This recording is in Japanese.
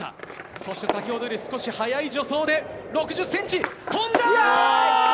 そして、先ほどより少し速い助走で６０センチ、跳んだ。